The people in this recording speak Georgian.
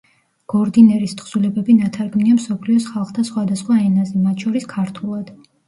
გორდინერის თხზულებები ნათარგმნია მსოფლიოს ხალხთა სხვადასხვა ენაზე, მათ შორის, ქართულად.